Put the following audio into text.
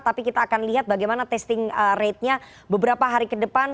tapi kita akan lihat bagaimana testing ratenya beberapa hari ke depan